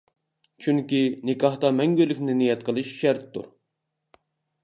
چۈنكى, نىكاھتا مەڭگۈلۈكنى نىيەت قىلىش شەرتتۇر.